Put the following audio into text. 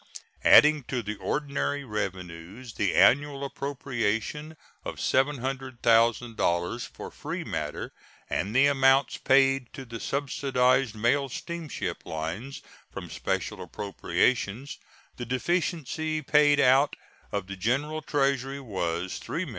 Adding to the ordinary revenues the annual appropriation of $700,000 for free matter and the amounts paid to the subsidized mail steamship lines from special appropriations, the deficiency paid out of the General Treasury was $3,317,765.